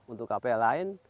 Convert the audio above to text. untuk kph lain